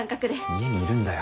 家にいるんだよ。